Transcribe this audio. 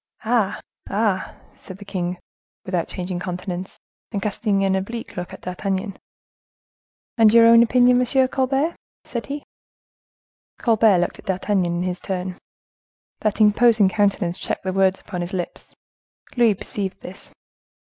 "Ah! ah!" said the king, without changing countenance, and casting an oblique look at D'Artagnan. "And your own opinion, M. Colbert?" said he. Colbert looked at D'Artagnan is his turn. That imposing countenance checked the words upon his lips. Louis perceived this.